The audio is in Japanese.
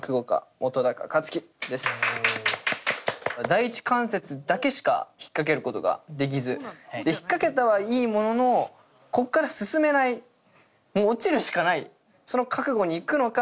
第一関節だけしか引っ掛けることができず引っ掛けたはいいもののここから進めないもう落ちるしかないその覚悟にいくのか